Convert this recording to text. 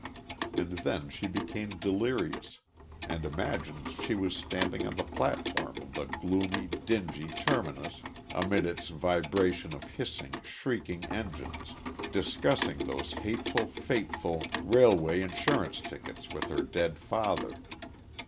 And then she became delirious, and imagined she was standing on the platform of the gloomy, dingy terminus, amid its vibration of hissing, shrieking engines, discussing those hateful, fateful railway insurance tickets with her dead father.